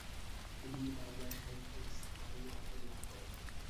তিনি বাংলা সাহিত্যে স্থায়ী আসন লাভ করেন।